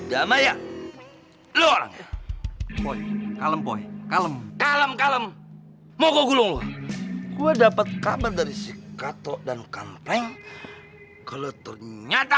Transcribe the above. damai ya lu orang kalem kalem kalem kalem mau gue dapet kabar dari si kato dan kan penggelet ternyata